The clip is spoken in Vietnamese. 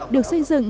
được xây dựng